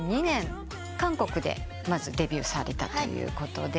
韓国でまずデビューされたということで。